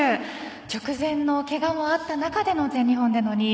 直前のけがもあった中での全日本での２位。